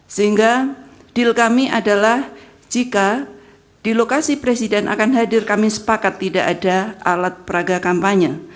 sehingga deal kami adalah jika di lokasi presiden akan hadir kami sepakat tidak ada alat peraga kampanye